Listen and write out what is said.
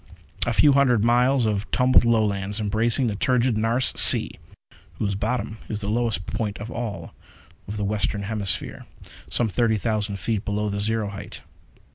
A few hundred miles of tumbled Lowlands, embracing the turgid Nares Sea, whose bottom is the lowest point of all the Western Hemisphere some thirty thousand feet below the zero height.